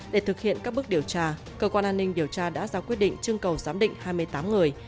để thực hiện các bước điều tra cơ quan an ninh điều tra đã ra quyết định trưng cầu giám định hai mươi tám người